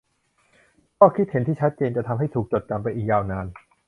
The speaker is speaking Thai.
ข้อคิดเห็นที่ชัดเจนจะทำให้ถูกจดจำไปอีกยาวนาน